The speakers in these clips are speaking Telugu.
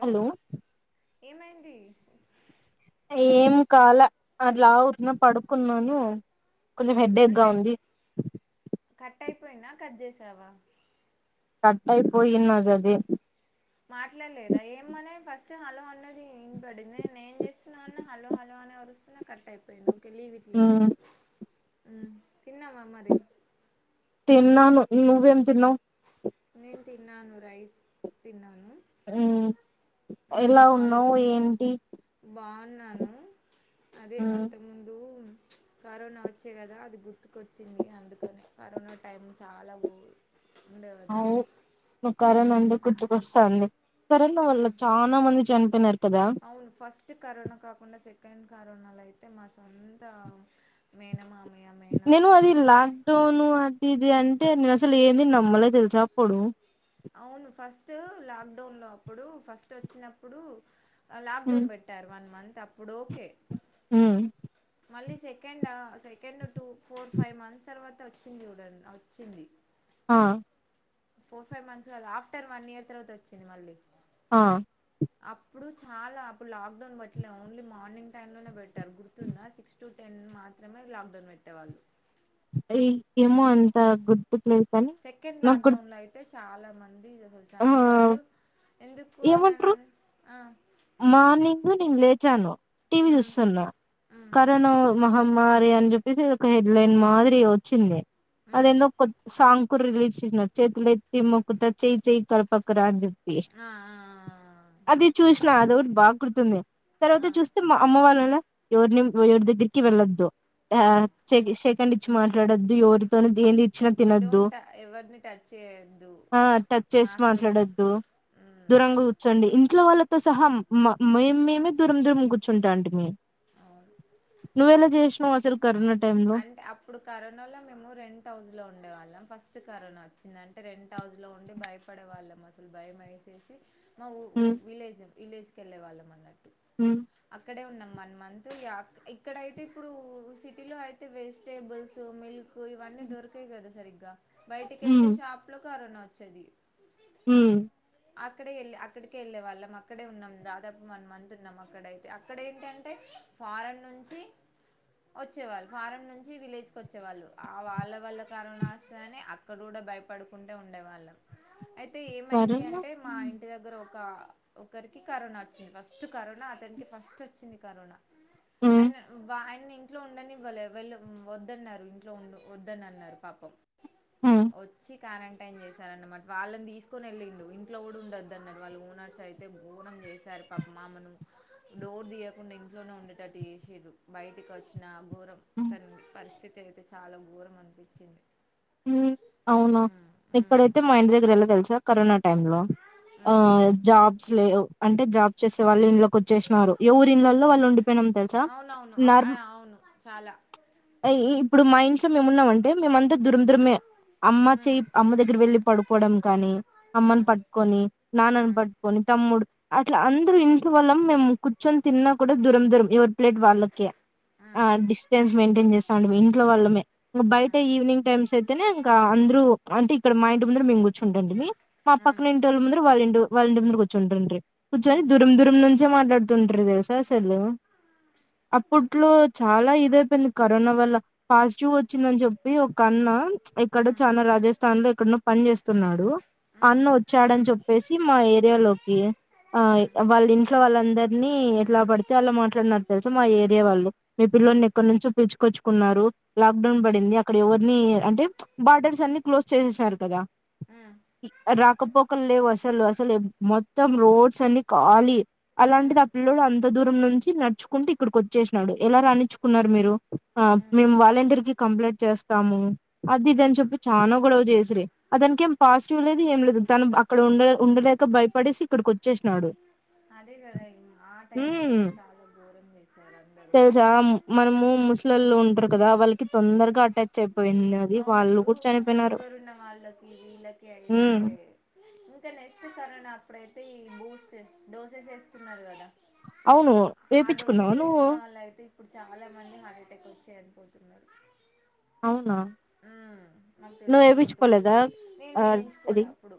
హలో ఏమైంది ఏం కాలా అట్లా ఊరుకునే పడుకున్నాను కొంచెం హెడ్ ఏకే గా అంటే ఉంది కట్ అయిపోయిందా కట్ చేసావా కట్ అయిపోయినాది అది మాట్లాడలేదా ఏమన ఫస్ట్ హలో అన్నది ఇన పడింది నేం చేస్తున్నా హలో హలో అని అరుస్తున కట్ అయిపోయినవ్ లీవ్ ఇట్ లే మ్మ్ ఉమ్ తినవా మరి తిన్నాను నువ్ ఏమి తినవ్ నేను తిన్నాను రైస్ తిన్నాన్ ఉమ్ ఎలా ఆలోచ ఉన్నావు ఏంటి బాగున్నాను అదే మ్మ్ అంతక ముందు కరోనా వచ్చే కదా అది గుర్తుకొచ్చింది అందుకనే కరోనా టైం చాలా గో ఉండే కదా అవ్ కరోనా అంటే గుర్తుకొస్తాంది కరోనా వల్ళ ఉమ్ చాలా మంది చనిపోయినారు కదా అవును ఫస్ట్ కరోనా కాకుండా సెకండ్ సేకండ్ కరోనాలో అయితే మా సొంత మేనమామ్ నేను అది లాక్ డౌను అది ఇది అంట్ అంటే నేను అసలు ఏంది నమ్మలే తెలిసా అప్పుడు అవును ఫస్ట్ లాక్డౌన్ లో అప్పుడు ఫస్ట్ వచ్చినప్పుడు లాక్డౌన్ పెట్టారు వన్ మంత్ అప్పుడు ఓకే ఉమ్ మళ్ళీ సెకండ్ ఆ second two four five months తర్వాత వచ్చింది చూడు అది వచ్చింది ఆ ఫోర్ ఫైవ్ మంత్స్ కాదు ఆఫ్టర్ వన్ ఇయర్ తర్వాత వచ్చింది మళ్ళీ ఆ అప్పుడు చాలా అప్పుడు లాక్ డౌన్ పేట్లే ఓన్లీ మార్నింగ్ టైమ్ లోనే పెట్టారు గుర్తుందా సిక్స్ టు టెన్ మాత్రమే లాక్డౌన్ పెట్టేవాళ్ళు అది ఏమో అంత గుర్తుకు లేదు కానీ సెకండ్ నాకి గురుత్ లాక్డౌన్లో అయితే చాలా మంది అసలు చనిపోయారు ఎందుకు ఏమంటారు అననీ ఆ మార్నింగ్ నేను లేచాను టీవి మ్ చూస్తున్నా మ్ కరోనా మహమ్మ మారి అని చెప్పేసి ఒక హెడ్ లైన్ మాదిరి వచ్చింది మ్ అదేందో కొత్త సాంగ్ కూడా రిలీజ్ చేసినారు చేతులు ఎత్తి మొక్కుతా చేయి చేయి కలపకు రా అని చెప్ ఆ ఆ అది చూసినా అదో ఒకటి బాగా గుర్తుంది తర్వాత ఆ చూస్తే మా అమ్మ వాళ్ళు ఉన్నీలా ఎవరిని ఎవరి దగ్గరికి వెళ్ళొద్దు ఆ శే శెకండ్ ఇచ్చి మాట్లాడద్దు ఎవరితో దేన్ది డోంట్ ఎవరిని టచ్ చేయొద్దు ఆ టచ్ చేసి మాస్క్లు మాట్లాడొద్దు దూరంగా కూర్చోండి ఇ ఇంట్లో వాళ్ళతో సహా మ మేమే దూరం దూరం కూర్చుంటాంటిమీ అవును నువ్వెలా చేసినావు అసలు కరోనా టైమ్ లో అంటే అప్పుడు కరోనా లో మేము రెంట్ హౌస్ లో ఉండే వాళ్ళం ఫస్ట్ కరోన వచ్చిందంటే రెంట్ హౌస్ లో ఉండి భయపడే వాళ్ళం అసలు భయం వేసేసి మా ఊ ఊ హ్మ్ విలేజ్ విలేజ్ కి వెళ్ళే వాళ్ళం అన్నట్టు హ్మ్ అక్కడే ఉన్నాం వన్ మంత్ ఇగ ఇక్కడయితే ఇప్పుడు సిటీలో అయితే వెజిటేబుల్స్ మిల్క్ కు ఇవన్నీ దొరికావు కదా సరిగ్గా బయటికి వెళ్తే షాప్ లో కరోనా వచ్చేది ఉమ్ అక్కడే వెళ్ళి అక్కడికే వెళ్ళే వాళ్ళం అక్కడే ఉన్నాము దాదాపు వన్ మంత్ ఉన్నాం అక్కడయితే అక్కడ ఏంటంటే ఫారన్ నుంచి వచ్చేవాళ్ళు. ఫరన్ నుంచి విలేజ్ కు వచ్చే వాళ్ళు. ఆ వాళ్ళ వల్ల కరోనా వస్తదని అక్కడ కూడా భయపడుకుంటే ఉండే. ఉండేవాళ్ళం. అయితే ఏమైంది సరేలే అంటే మా ఇంటి దగ్గర ఒక్. ఒకరికి కరోనా వచ్చింది ఫస్ట్ కరోనా అతనికి ఫస్ట్ వచ్చింది కరోనా. హ్మ్ ఆయన వ ఆయన ఇంట్లో ఉండనివ్. వాళ్ళ ఎవ్వరు వద్దన్నారు ఇంట్లో ఉండు వద్దని అన్నారు పాపం హ్మ్ వచ్చి. క్యారంటైన్ చేశార అన్నమాట వాళ్ళని తీసుకొని వెల్లిండు ఇంట్లో కూడా ఉండొద్దు అనాడు వాళ్ళు ఓనర్స్ అయితే గోరంగా. చేసారు పాపం ఆమెను డోర్ దియకుండా ఇంట్లోనే ఉండేటటుసేసిండ్రు బయటికి వచ్చిన గో. తన పరిస్థితి అయితే చాలా ఘోరం అనిపించింది. ఉమ్ అవునా ఉమ్, ఉమ్, ఇక్కడైతే మా ఇంటి దగ్గరెలా తెలుసా కరోనా. టైమ్ లో ఆ ఉమ్. జాబ్స్ లెవ్ అంటే జాబ్ చేసే వాళ్ళు ఇల్లు. వచ్చేసినారు ఏవారిళ్ళలో వాళ్ళు ఉండిపోయినాం తెలుసా అవునవును అప్- నర్. ఆ, అవును చాలా అయి ఇప్పుడు మా ఇంట్లో మేము ఉన్నామంటే మేమంతా దురం దురమే. అమ్మ ఉమ్, చెయి అమ్మ దగ్గర వెళ్ళి పడుకోవడం కాని అమ్మను ఉమ్, పట్టుకొని నాన్నని ఉమ్, పట్టుకొని తమ్ముడు. అట్లా అందరు ఇంట్లో వాల్లం మేము కూర్చొని తిన్నా కూడా దూరం దూరం ఎవరు. ప్లెట్ వాళ్ళకే ఆ ఉమ్, డిస్టెన్స్ మెయింటైన్ చేసా ఇంట్లో వాళ్ళమే ఇంకా బయట ఉమ్, ఈవినింగ్. మ్స్ అయితేనే ఇంకా అందరు అంటే ఇక్కడ మా ఇంటి ముందర మీము కూర్చుంటండి మీ. మా పక్కన ఉమ్, ఇంటి వాళ్ళ ముందర వాళ్ళ ఇంటి. వాళ్ళంటి ముందు కూర్చుంటండ్రి. కూర్చొని ఉమ్, దూరం దూరం నుంచే మాట్లాడుతుండ్రి తెలుసా అసలు. అప్పట్లో చాలా ఇదైపోయింది కరోనా వల్ల పాజిటివ్ వచ్చిందని చెప్పి. కన్నా ఇక్కడ ఉమ్. చానా రాజస్. స్తాన్ లో ఇక్కడ పని చేేస్తున్నాడు. అన్న వచ్చాడని చెప్పేసి మా ఏరియాలోకి. ఆ వాళ్ళ ఇంట్లో వాళ్ళందరినీ ఎట్లా పడితే అట్లా మాట్లాడిన తెలుసు మా ఏరియా వాళ్ళు మేబి. పిల్లోన్ని ఎక్కడి నుంచో పిలుచుకొన్నారు లాక్డౌ పడింది అక్కడ ఎవరు‌. ని అంటే బార్డర్స్ అన్ని క్లోజ్ చేసేసినారు కదా. రాకపోకలు లేవు అసలు అసలు మొత్తం రోడ్స్ అన్ని ఖాళీ. అలాంటిది ఆ పిల్లోడు అంత దూరం నుంచి నడుచుకుంటే ఇక్కడికి వచ్చేసినాడు ఎలా రాణించుకున్నారు మీరు. ఆ మేము వాలంటీర్ కి కంప్లీంట్ చేస్తాము అది ఇది అని చెప్పి చానా. గొడవ చేసిరి అతనికి ఏం పాజిటివ్ లేదు ఏం లేదు తను అక్కడ ఉండ. ఉండలేక భయపడేసి ఇక్కడికి వచ్చేసినాడు. అదే కదా ఆ టైం లో మ్మ్ అయితే చాలా ఘోరం చేసారు అందరు తెలుసా అయితే. మ్- మనము ముసలోళ్ళు కొంచెం ఉంటారు కదా వాళ్ళకి తొందరగా అటాచ్. అయిపోయింది అది అవును వాళ్ళు ఇప్పుడు కూడా చనిపోయినారు షుగర్ ఉన్న వాళ్ళకి వీళ్ళకి అయితే. మ్మ్ ఇంకా నెక్స్ట్ కరోనా అప్పుడైతే ఈ బూస్ట్ డోసెస్ వేసుకున్నారు కదా. అవును ఆ వేపించుకున్నావా డోసెస్ నువ్వు వేసుకున్న వాళ్ళు అయితే ఇప్పుడు చాలా మంది హార్ట్ అటాక్ వచ్చి. చేడిపోతున్నారు. అవునా. నాకు నువ్వు తెలిసిన ఒక టు వీక్స్ ఏపిచ్చుకోలేదా నేను ఆ అది వేయించుకోలేదు అప్పుడు.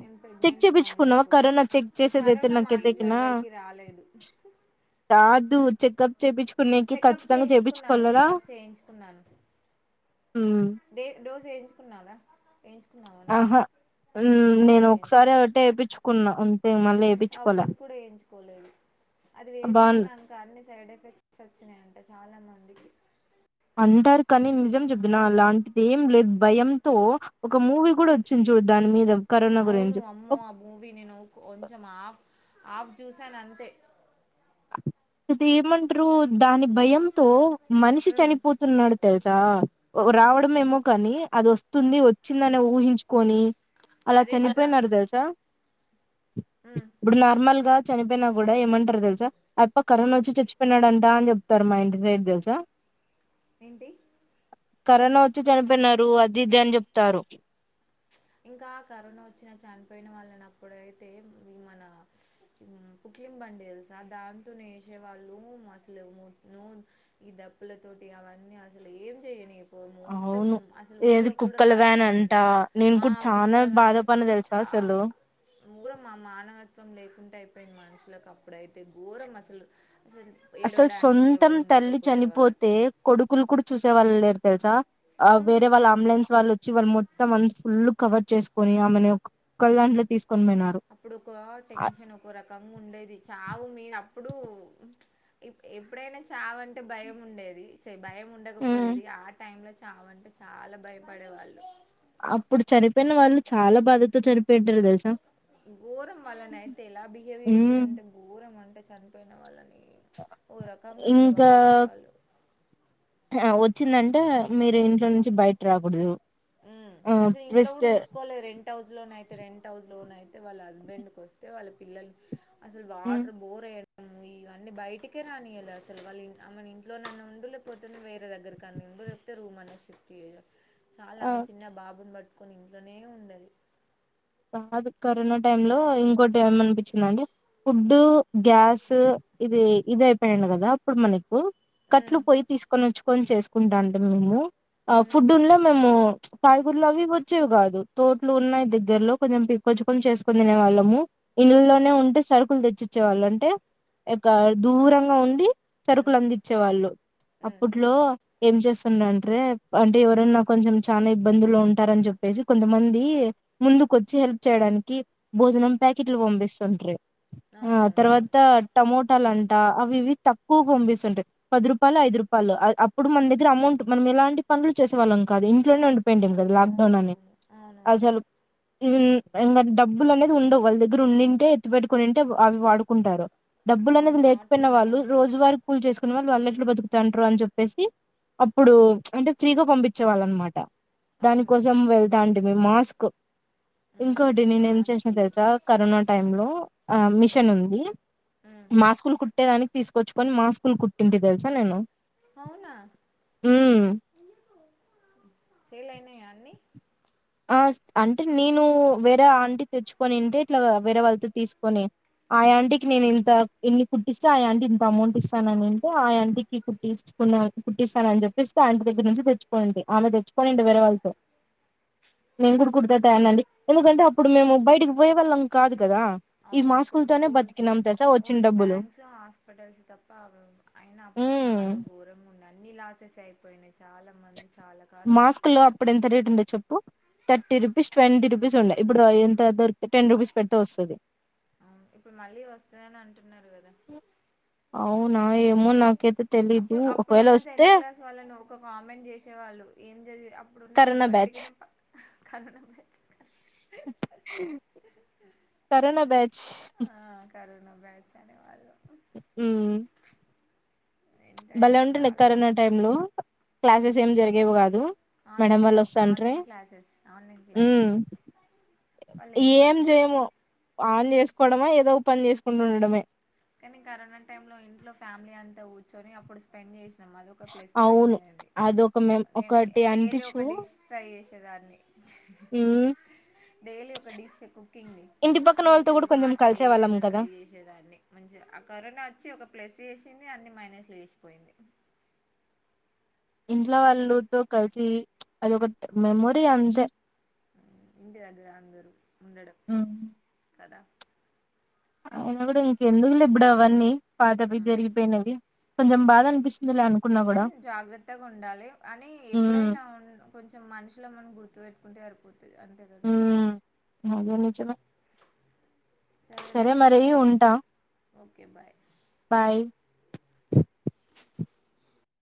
నేను చెక్ ప్రెగ్నెంట్గా ఉండే చేయించుకున్నావా అప్పుడు కరోనా చెక్ చేసేదైతే కరోనా మా ఇంట్లో నాకతేకినా. ఎవరికి రాలేదు కాదు చెకప్. చేపిచ్చుకునేకి చెకప్ ఖచ్చితంగా చేయించుకున్నాను చేపిచ్చుకోలేదా చెకప్ చేయించుకున్నాను. ఉమ్ డే డోస్ ఎంచుకున్నార. ఆహా కూడా నేను ఒకసారి వేయించుకో ఒకటి వేపిచ్చుకున్న. ఒక్కటి కూడా వేయించుకోలేదు అది బాన్ వేయించుకున్నాక అన్ని సైడ్ ఎఫె. ఎఫెక్ట్స్ వచ్చినాయంట చాలా మందికి. అంటారు కానీ నిజం చెబప్తున్నా అలాంటిది ఏం లేదు భయంతో ఒక మూవీ కూడా వచ్చింది చూడద్దా. అమిదం. అవును అమ్మో ఆ మూవీ నేను కొంచెం అప్. ఆఫ్ చూశానంతే ఇది ఏమంటారు దాని భయంతో మనిషి ఉమ్ చనిపోతున్నాడు తెలుసా రావడంమేమో కానీ అది వస్తుంది వ చ్చిందనే ఊహించుకొని అలా అదే కదా చనిపోయినారు తెలుసా ఉమ్ ఇప్పుడు నార్మల్‌గా చనిపోయినా కూడా ఏమంటారు తెలుసా అయప్ప కరోనా ఉమ్ వచ్చి చచ్చిపోయినాడం టా అని చెప్తారు మాఇంటి సైడ్ తెలుసా ఏంటి కరోనా వచ్చి చనిపోయినారు అది ఇది అని చెప్తారు ఇంకా కరోనా వచ్చినా చనిపోయిన వళ్ళనప్పుడైతే ఈ మన మ్మ్ పుక్లిం బ్ అంటే తెలుసా దాంతోనేసే వాళ్ళు అసలు ముట్‌ను ఈ దప్పుల తోటి అవ తో మొత్తం అవును అసలు ఊర్లో ఏది కూడా కుక్కల వ్యాన్ అంట రానియకపో నేను ఆ కూడా చాలా కుక్కలన బాధపడిన చీ తెలుసా అ‌ అసలు మురమా మానవత్వం లే కుంట అయిపోయింది మనుషులకు అప్పుడైతే ఘోరం అసలు అసలు అసలు ఏడవడానికి సొంతం ఎవరు తల్లి ఉండకపోయేవారు చనిపోతే కొడుకులు కూడా చూసే వాళ్ళు లేరు తెలుసా ఆ అవును వేరే వాళ్ళు అంబులెన్స్ వాళ్ళు వచ్చి వాళ్ళు మొత్తం అంతా ఫుల్ కవర్ చేసుకొని ఆమెను అప్పుడొక అ టెన్షన్ ఒక రకంగా ఉండేది చావు మీన అ ప్పుడు ఎప్పుడైనా చావంటే భయం ఉండేది భయం హ్మ్. ఉండకపోయేది ఆ టైంలో చావంటే చాలా భయపడే వాళ్ళు అప్పుడు చనిపోయిన వాళ్ళు చాలా బాధతో చనిపో ఘోరం వల్లనైతే ఎలా బిహేవ్ మ్మ్ చేసిరంటే ఘోరం అంటే చనిపోయిన వాళ్ళని ఓ రకంగా ఇట్లా ఇంకా పడేసేవాళ్ళు చ్చిందంటే మీరు ఇంట్లో నుంచి బయట రాకూడదు ఉమ్మ్ ఆ అసలు ఇంట్లో కూడా ట్విస్ట్ ఉంచుకోలే రెంట్ హౌస్‌లోన అయితే రెంట్ హౌస్ లోన అయి తే వాళ్ళ హస్బెండ్కోస్తే వాళ్ళ పిల్లలు అసలు హ్మ్. వాటర్ బోర్ ఎయ్ ఇవన్నీ బయటికే రానియాలే అసలు వాళ్ళు అమేను ఇంట్లోనన్న ఉండు లేకపోతే నువ్వు వేరే దగ్గరకి అన ముందే చెప్తే రూమ్ అన్న షిఫ్ట్ చేయ చాలా ఆ ఆమె చిన్న బాబుని పట్టుకొని ఇంట్లోనే ఉండది కాదు కరోనా టైమ్ లో ఇంకోటి ఏమనిపిచిందంటే ఫుడ్డు గ్యాస్సు ఇది ఇది అయిపోయిడ కదా అప్పుడు మన కు కట్లు ఉమ్ పోయి తీసుకొని వచ్చుకొని చేసుకుంటంటిమి మేము ఆ ఉమ్ ఫుడ్ ఉండే మేము కాయగూరలు అవి వచ్చేవి కాదు తోట్లు ఉన్నాయి దగ్గరలో కొంచెం పికొచ్చుకొని చేసుకుని తిననేవాళ్ళము ఉమ్ ఇండ్లులోనే ఉంటే సరుకులు తెచ్చిచ్చేవాళ్ళ అంటే యేక్క దూరంగా ఉండి సరుకులు ఉమ్ అందించే వాళ్ళు ఉమ్ అప్పుట్లో ఏం చేస్తుండంట్రే అంటే ఎవరన్నా కొంచెం చానా ఇబ్బందుల్లో ఉంటారని చెప్పేసి కొంతమంది ముందుకొచ్చి హెల్ప్ చేయడానికి భోజనం ప్యాకెట్లు పంపిస్తుండ్రి ఆ అవునవును తర్వాత టమో టలంట అవి ఇవి తక్కువ పంపిస్తుంటే పది రూపాయలు ఐదు రూపాయలు అప్పుడు మన దగ్గర అమౌంట్ మనం ఎలాంటి పనులు చేసే వాళ్ళం కాదు ఇంట్లోనే ఉండిపోయింటిమి అవును కదా లాక్డౌన్ అని అవునవును అవునవును అసలు మ్మ్ ఇంగ డబ్బులు అనేది ఉండవు వాళ్ళ దగ్గర ఉండింటే ఎత్తి పెట్టుకునింటే అవి వాడుకుంటారు డబ్బులు అవును అనేది ఆ టూ లేకపోయిన వాళ్ళు మంత్స్ రోజువారి కూలీ చేసుకునే వాళ్ళు వాళ్ళే ట్ల బతుకుతంటారు అని చెప్పేసి అప్పుడు అంటే ఫ్రీగా పంపించే వాళ్ళ అనమాట అవును దానికోసం వెళ్తాంటిమి మాస్క్ ఇంకోటి ఉమ్ నేను ఏం చేసినా మాస్కులు తెలుసా కరోనా టైమ్ లో ఆ ఉమ్ మిషన్ ఉంది ఉమ్ మాస్కులు కుట్టేదానికి తీసుకొచ్చుకొని మాస్కులు కుట్టింటి తెలుసా నేను అవునా హ్మ్ సేల్ అయినాయా అన్నీ ఆ అంటే నేను వేరే ఆంటి తెచ్చుకొనింటే ఇట్లా వేరే వాళ్ళతో తీసుకొని ఆయాంటికి నేను ఇంత ఎన్ని కుట్టిస్తే ఆయాంటి ఇంత అమౌంట్ ఇస్తాననింటే ఆయాంటికి కుట్టి కున్న కుట్టిస్తాను అని చెప్పేసి ఆ ఆంటీ దగ్గర నుంచి తెచ్చుకోనింటి ఆమె తెచ్చుకోనిండే వేరే వాళ్ళతో నేను కూడా కుర్తా తనండి ఎందుకంటే అప్పుడు మేము బయటికి పోయే వాళ్ళం కాదు కదా ఈ అవునప్పుడు మాస్కులతోనే స్కూల్స్ బతికినాం తెలుసా వచ్చిన ఓన్లీ డబ్బులు బ్యాంక్స్ హాస్పిటల్స్ తప్ప అయిన ఇప్పుడు హ్మ్ చాలా ఘోరంగా ఉండ అన్ని లాసెస్ అయిపోయినాయి చాలా మంది చాలా కరోనా మాస్క్ లో అప్పుడు ఎంత రేట్ ఉండే చెప్ ప్పు థర్టీ రూపీస్ ట్వంటీ రూపీస్ ఉండే ఇప్పుడు ఎంత దొరికు టెన్ రూపీస్ పెడితే వస్తది అవును ఇప్పుడు మళ్ళీ వస్తాదని అన్ అవునా మ్ నాకై త్ అప్పుడు అప్పుడున్న టెన్త్ క్లాస్ వాళ్ళని ఒక కామెంట్ చేసేవాళ్ళు ఏం చద్ వి అప్పుడున్న వాళ్ళు కరోనా వట్టి బ్యాచ్ కన్ను బై కరోనా బ్యాచ్ ఆ, కరోనా బ్యాచ్ అనే వాళ్ళు బలే ఎంతైనా ఉంటుండే చాలా కరోనా టైమ్ లో క్లాసెస్ ఉమ్. ఏం జరిగేవి కాదు మేడం ఆన్లైన్ వాళ్ళు షాప్ వస్తాంట్రి ఆన్లైన్ క్లాసెస్ ఆన్లైన్ మ్మ్ క్లాసెస్ వాళ్ళు ఏం పాస్ అయ్యారు జేయము ఆన్ చేసుకోవడమా ఏదో ఒక పని చేసుకుంటుండడమే కానీ కరోనా టైమ్ లో ఇంట్లో ఫ్యామిలీ అంతా కూర్చొని అప్పుడు స్పెండ్ చేస్ నం అది ఒక ప్లస్ పాయింట్ అవును అఇంది అదొక మేం నేను ఒకటి డైలీ ఒక డిష్ ట్రై చేసేదాన్ని మ్ డైలీ ఒక డిష్ కుకింగ్ ది ఇంటి పక్కన వాళ్ళతో స్వీట్ కూడా కొంచెం హాట్ కలిసే వాళ్ళం ఏదైనా కదా ట్రై చేసేదాన్ని మంచిగా ఆ కరోనా వచ్చి ఒక ప్లస్ చేసింది అన్ని మైనస్ లో చేసిపోయింది ఇంట్ల కదా వాళ్ళుతో కలిసి అది ఒక మేమొరీ అంతే ఇంటి అది అందరు ఉండడం కదా ఆయిన కూడా ఇంకెందుకులే ఇప్పుడు అవన్నీ పాతవి ప జరిగిపోయినవి కొంచెం బాధ అనిపిస్తుందిలే అనుకున్నా కూడా కానీ జాగ్రత్తగా ఉండాలి అని ఉమ్ ఎప్పుడైనా ఉన్ కొంచెం మనుషులం అని గుర్తు పెెట్టుకుంటే అరిపోతది అంతే కదా ఉమ్ అదే నిజమే సరే లే మరి ఓకే ఉంటా ఓకే బాయ్ బాయ్